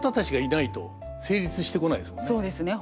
そうですね